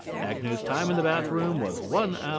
Agnew's time in the bath room was 1 hr.